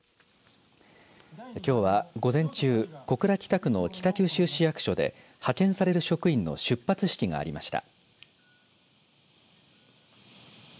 きょうは午前中小倉北区の北九州市役所で派遣される職員の出発式がありました。